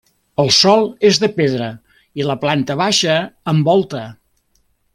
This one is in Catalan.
El sòl és de pedra i la planta baixa amb volta.